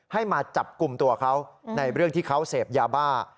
ให้มาจับกลุ่มตัวเขาในเรื่องที่เขาเสพยาบ้า